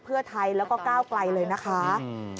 เพื่อไทยแล้วก็ก้าวไกลเลยนะคะ